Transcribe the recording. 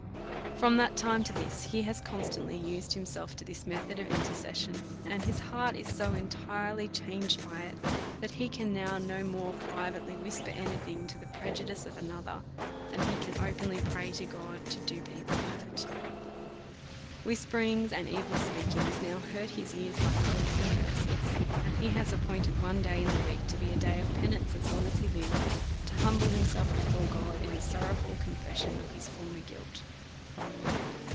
From that time to this he has constantly used himself to this method of intercession ; and his heart is so entirely changed by it, that he can now no more privately whisper any thing to the prejudice of another, than he can openly pray to God to do people hurt. Whisper ings and evil speakings now hurt his ears, like oaths and curses ; and he has appointed one day in the week to be a day of penance as long as he lives, to humble himself before God, in the sorrowful confession of his former guilt.